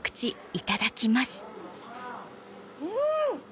うん！